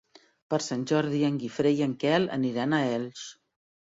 Per Sant Jordi en Guifré i en Quel aniran a Elx.